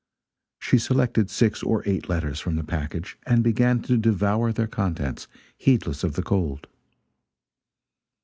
She selected six or eight letters from the package and began to devour their contents, heedless of the cold.